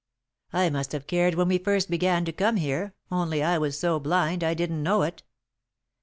"I must have cared when we first began to come here, only I was so blind I didn't know it."